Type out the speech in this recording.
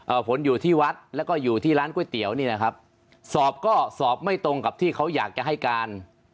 ผลอยู่ที่วัดแล้วก็อยู่ที่ร้านก๋วยเตี๋ยวนี่นะครับสอบก็สอบไม่ตรงกับที่เขาอยากจะให้การ